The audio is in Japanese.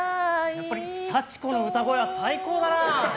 やっぱり幸子の歌声は最高だな。